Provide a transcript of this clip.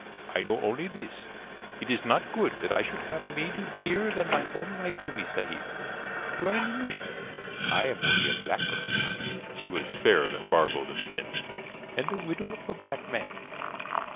I know only this it is not good that I should have made you dearer than my own heart to me, Sahib. You are an Englishman. I am only a black girl" she was fairer than bar gold in the Mint "and the widow of a black man."